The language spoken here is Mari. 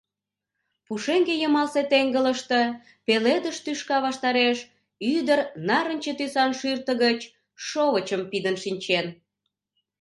Пушеҥге йымалсе теҥгылыште, пеледыш тӱшка ваштареш, ӱдыр нарынче тӱсан шӱртӧ гыч шовычым пидын шинчен.